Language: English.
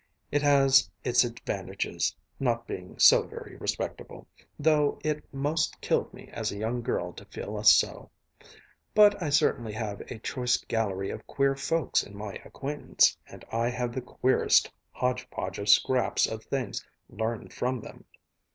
It has its advantages, not being so very respectable, though it 'most killed me as a young girl to feel us so. But I certainly have a choice gallery of queer folks in my acquaintance, and I have the queerest hodge podge of scraps of things learned from them.